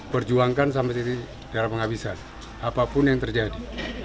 perjuangkan sampai di darah penghabisan apapun yang terjadi